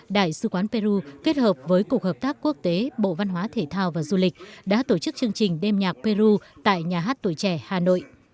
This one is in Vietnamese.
đại sứ quán peru kết hợp với cục hợp tác quốc tế bộ văn hóa thể thao và du lịch đã tổ chức chương trình đêm nhạc peru tại nhà hát tuổi trẻ hà nội